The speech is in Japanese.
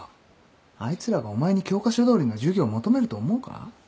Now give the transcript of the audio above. あいつらがお前に教科書どおりの授業求めると思うか？